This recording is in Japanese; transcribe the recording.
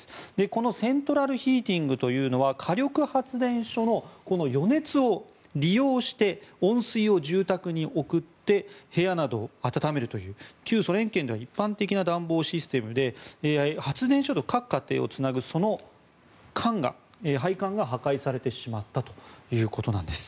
このセントラルヒーティングというのは、火力発電所のこの余熱を利用して温水を住宅に送って部屋などを暖めるという旧ソ連圏では一般的な暖房システムで発電所と各家庭をつなぐその配管が破壊されてしまったということです。